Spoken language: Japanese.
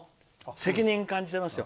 責任を感じてますよ。